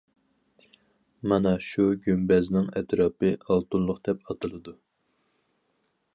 مانا شۇ گۈمبەزنىڭ ئەتراپى« ئالتۇنلۇق» دەپ ئاتىلىدۇ.